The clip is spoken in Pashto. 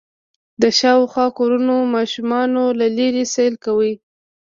د شاوخوا کورونو ماشومانو له لېرې سيل کوه.